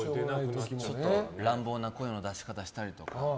乱暴な声の出し方したりとか。